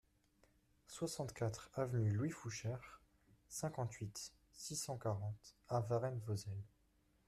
soixante-quatre avenue Louis Fouchere, cinquante-huit, six cent quarante à Varennes-Vauzelles